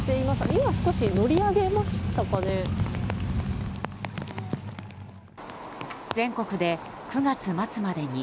今、少し乗り上げましたかね。